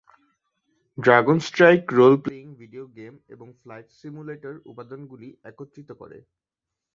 DragonStrike role playing video game এবং flight সিমুলেটরের উপাদানগুলি একত্রিত করে।